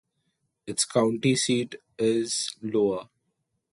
Its county seat is Loa.